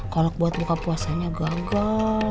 kolak buat muka puasanya gagal